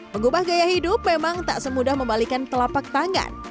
mengubah gaya hidup memang tak semudah membalikan telapak tangan